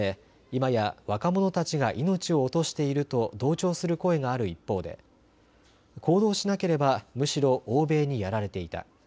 今や若者たちが命を落としていると同調する声がある一方で、行動しなければむしろ欧米にやられていた。